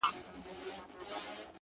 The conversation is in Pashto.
دا ټپه ورته ډالۍ كړو دواړه؛